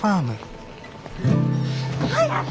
早く！